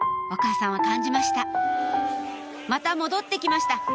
お母さんは感じました